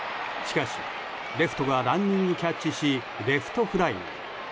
しかし、レフトがランニングキャッチしレフトフライに。